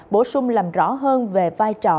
bổ sung làm rõ hơn về vai trò